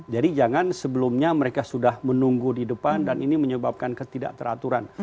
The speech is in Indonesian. jadi jangan sebelumnya mereka sudah menunggu di depan dan ini menyebabkan ketidakteraturan